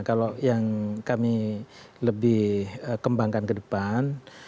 kalau yang kami lebih kembangkan ke depan